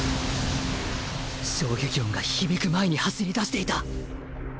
衝撃音が響く前に走り出していた